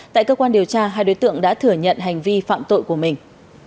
tại cơ quan điều tra hai đối tượng đã thừa nhận hành vi phạm tội của mình